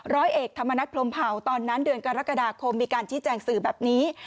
ร้อยเอกธรรมนัฐพรมเผาตอนนั้นเดือนกรกฎาคมมีการชี้แจงสื่อแบบนี้